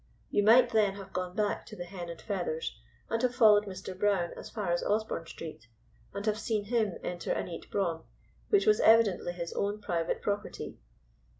You might then have gone back to the Hen and Feathers, and have followed Mr. Brown as far as Osborn Street, and have seen him enter a neat brougham, which was evidently his own private property.